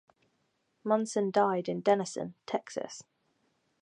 Munson died in Denison, Texas.